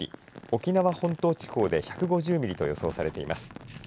沖縄本島地方で１５０ミリと予想されています。